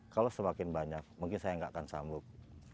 kalau semakin banyak mungkin saya nggak akan sambuk